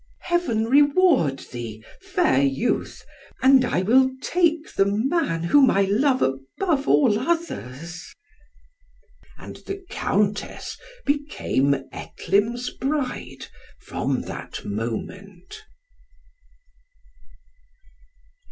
"Heaven reward thee, fair youth, and I will take the man whom I love above all others." And the Countess became Etlym's bride from that moment.